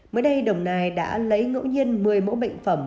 mới đây đồng nai đã lấy ngẫu nhiên một mươi mẫu bệnh phẩm